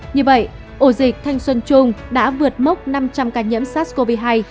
như vậy ổ dịch thanh xuân trung đã vượt mốc năm trăm linh ca nhiễm sars cov hai